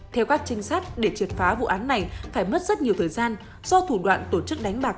theo các trinh sát để triệt phá vụ án này phải mất rất nhiều thời gian do thủ đoạn tổ chức đánh bạc